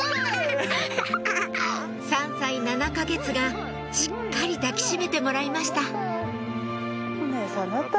３歳７か月がしっかり抱き締めてもらいました